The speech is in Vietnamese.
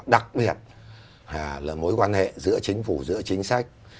đặc biệt là mối quan hệ giữa chính phủ giữa chính sách